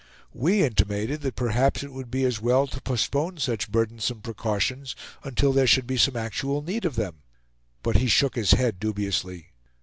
We intimated that perhaps it would be as well to postpone such burdensome precautions until there should be some actual need of them; but he shook his head dubiously.